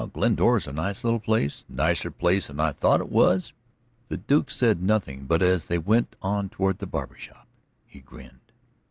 Glendora's a nice little place; nicer place than I thought it was." The Duke said nothing. But as they went on toward the barber shop he grinned.